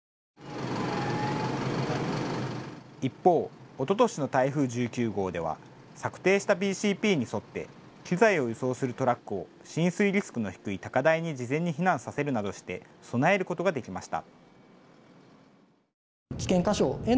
一方、おととしの台風１９号では策定したＢＣＰに沿って機材を輸送するトラックを浸水リスクの低い高台に事前に避難させるなどして備えることができました。